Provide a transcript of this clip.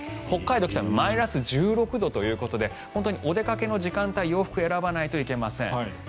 北海道北見はマイナス１６度ということでお出かけの時間帯洋服を選ばないといけません。